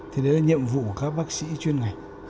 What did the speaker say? thì đấy là nhiệm vụ của các bác sĩ chuyên ngành